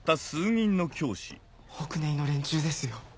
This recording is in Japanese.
北根壊の連中ですよ。